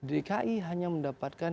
dki hanya mendapatkan